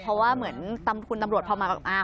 เพราะว่าเหมือนคุณตำรวจพอมาก็อ้าง